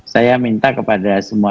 saya minta kepada semua